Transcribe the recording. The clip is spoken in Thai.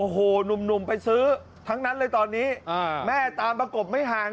คุณแม่ครับ